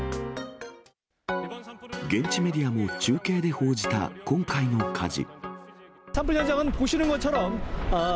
現地メディアも中継で報じた今回の火事。